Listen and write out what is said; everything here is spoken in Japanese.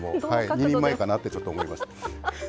２人前かなってちょっと思いました。